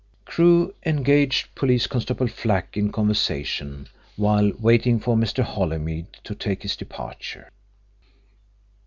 Crewe engaged Police Constable Flack in conversation while waiting for Mr. Holymead to take his departure.